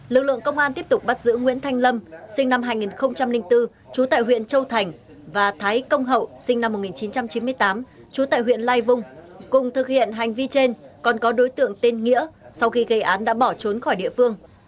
lực lượng công an tiếp tục bắt giữ nguyễn thanh lâm sinh năm hai nghìn bốn trú tại huyện châu thành và thái công hậu sinh năm một nghìn chín trăm chín mươi tám trú tại huyện lai vung cùng thực hiện hành vi trên còn có đối tượng tên nghĩa sau khi gây án đã bỏ trốn khỏi địa phương